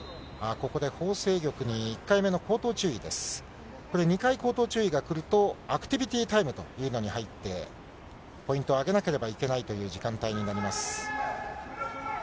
これ、２回口頭注意が来ると、アクティビティタイムというのに入って、ポイントをあげなければいけないという時間帯になります。